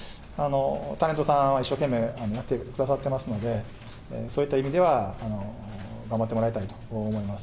タレントさん、一生懸命、やってくださってますので、そういった意味では、頑張ってもらいたいと思います。